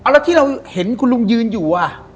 แล้วที่เราเห็นคุณลุงยืนอยู่